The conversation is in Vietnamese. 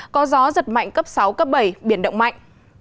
có gió giật mạnh cấp sáu cấp bảy biển động mạnh